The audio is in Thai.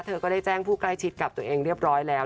เธอก็ได้แจ้งผู้ใกล้ชิดกับตัวเองเรียบร้อยแล้ว